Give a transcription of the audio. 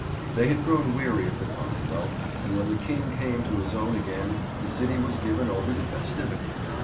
They had grown weary of the Commonwealth, and when the King came to his own again the city was given over to festivity.